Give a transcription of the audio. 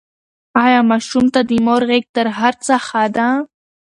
ایا ماشوم ته د مور غېږ تر هر څه ښه ده؟